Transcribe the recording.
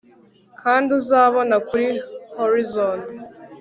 Kandi uzabona kuri horizon